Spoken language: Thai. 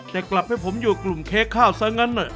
แต่กลับให้ผมอยู่กลุ่มเค้กข้าวซะงั้น